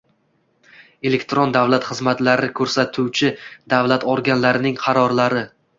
elektron davlat xizmatlari ko‘rsatuvchi davlat organlarining qarorlari